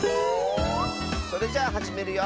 それじゃあはじめるよ！